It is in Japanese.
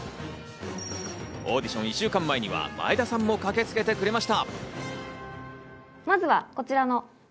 オーディション１週間前には前田さんも駆けつけてくれました。